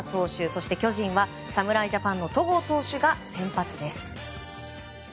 そして、巨人は侍ジャパンの戸郷投手が先発です。